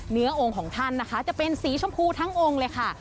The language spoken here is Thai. องค์ของท่านนะคะจะเป็นสีชมพูทั้งองค์เลยค่ะ